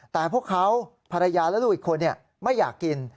แต่พวกเขาภรรยาและลูกอีกคนไม่อยากกิน